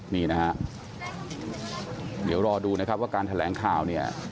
เดี๋ยวรอดูนะครับว่าการแถลงข่าว